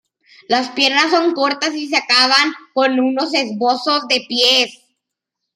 Las piernas son cortas y se acaban con unos esbozos de pies.